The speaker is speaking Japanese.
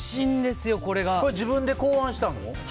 自分で考案したの？